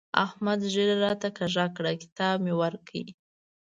احمد ږيره راته کږه کړه؛ کتاب مې ورکړ.